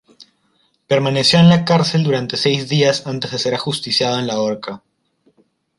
Permaneció en la cárcel durante seis días antes de ser ajusticiado en la horca.